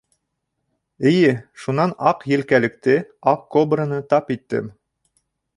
— Эйе, шунан Аҡ Елкәлекте — аҡ кобраны тап иттем.